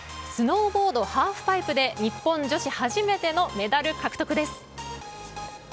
スノーボード・ハーフパイプで日本女子初めてのメダル獲得です。